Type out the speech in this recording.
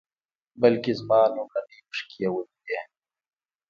بلکې زما لومړنۍ اوښکې یې ولیدې.